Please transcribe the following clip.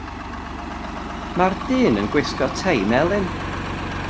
Mae'r dyn yn gwisgo tei melyn.